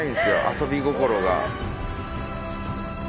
遊び心が。